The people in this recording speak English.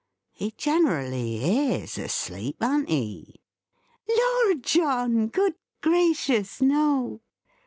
He generally is asleep, an't he?" "Lor John! Good gracious no!"